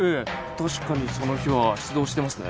確かにその日は出動してますね